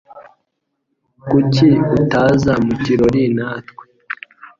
Kuki utaza mu kirori natwe?